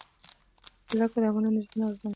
جلګه د افغانانو ژوند اغېزمن کوي.